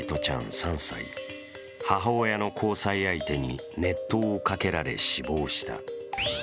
３歳母親の交際相手に熱湯をかけられ、死亡した。